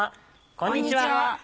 こんにちは。